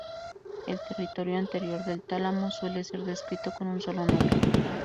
El territorio anterior del tálamo suele ser descrito con un solo núcleo.